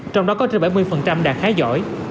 trong đó có trên bảy mươi đạt khá giỏi